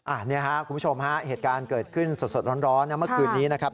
อันนี้คุณผู้ชมเหตุการณ์เกิดขึ้นสดร้อนมาก่อนนี้นะครับ